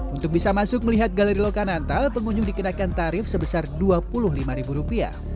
untuk bisa masuk melihat galeri lokanantal pengunjung dikenakan tarif sebesar rp dua puluh lima